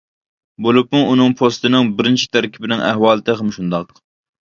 بولۇپمۇ ئۇنىڭ پوستىنىڭ بىرىنچى تەركىبىنىڭ ئەھۋالى تېخىمۇ شۇنداق.